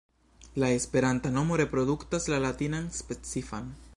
La esperanta nomo reproduktas la latinan specifan.